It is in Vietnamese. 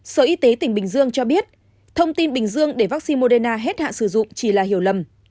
sở y tế tỉnh bình dương cho biết thông tin bình dương để vaccine moderna hết hạn sử dụng chỉ là hiểu lầm